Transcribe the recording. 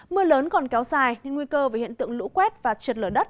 mưa lớn còn kéo dài nên nguy cơ về hiện tượng lũ quét và trượt lở đất